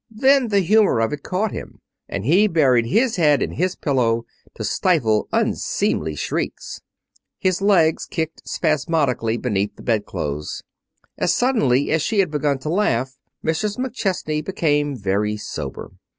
Then the humor of it caught him, and he buried his head in his pillow to stifle unseemly shrieks. His legs kicked spasmodically beneath the bedclothes. As suddenly as she had begun to laugh Mrs. McChesney became very sober.